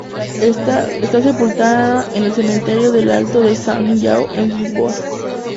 Está sepultada en el Cementerio del Alto de São João, en Lisboa.